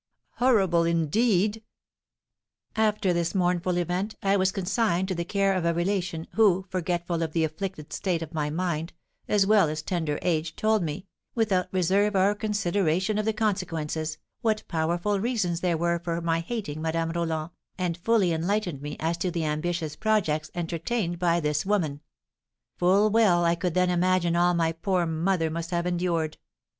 "Horrible, indeed!" "After this mournful event I was consigned to the care of a relation, who, forgetful of the afflicted state of my mind, as well as tender age, told me, without reserve or consideration of the consequences, what powerful reasons there were for my hating Madame Roland, and fully enlightened me as to the ambitious projects entertained by this woman: full well I could then imagine all my poor mother must have endured.